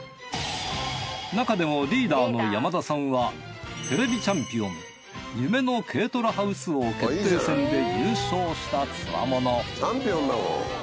なかでもリーダーの山田さんは『テレビチャンピオン』夢の軽トラハウス王決定戦で優勝したツワモノ。